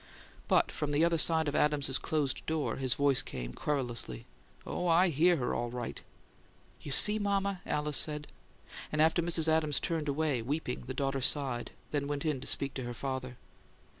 But from the other side of Adams's closed door his voice came querulously. "Oh, I HEAR her, all right!" "You see, mama?" Alice said, and, as Mrs. Adams turned away, weeping, the daughter sighed; then went in to speak to her father.